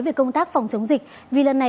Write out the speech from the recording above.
về công tác phòng chống dịch vì lần này